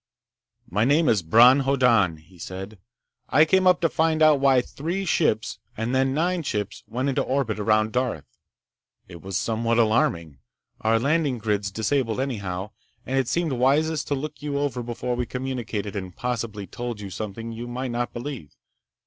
"My name is Bron Hoddan," he said. "I came up to find out why three ships, and then nine ships, went into orbit around Darth. It was somewhat alarming. Our landing grid's disabled, anyhow, and it seemed wisest to look you over before we communicated and possibly told you something you might not believe.